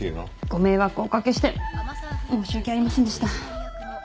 ご迷惑をおかけして申し訳ありませんでした。